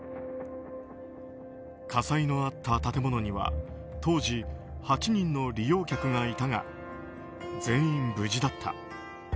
火災のあった建物には当時８人の利用客がいたが全員無事だった。